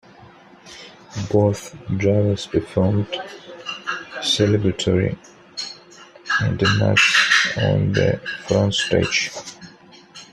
Both drivers performed celebratory donuts on the frontstretch.